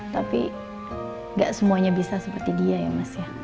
tapi gak semuanya bisa seperti dia ya mas ya